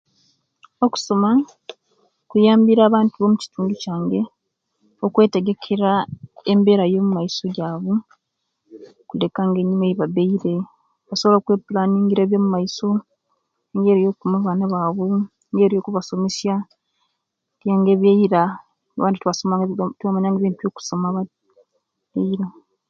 Okusoma kunyambire abantu bo mukitundu kyange okwetegekera embeera yomumaiso gyaba okuleka nga enyuma egibabaile okwepulaningira obyomumaiso mungeri yokuuma abaana bawe ngeri yokubasomesya nenga ebyeila abantu tebasomanga tebamanga ebintu byokusoma eila.